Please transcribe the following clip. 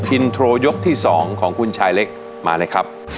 อินโทรยกที่๒ของคุณชายเล็กมาเลยครับ